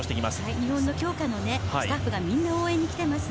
日本の強化スタッフがみんな応援に来ていますね。